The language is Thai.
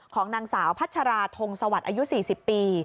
ของนางสาวพัชราธงสวัสดิ์อายุ๔๐ปี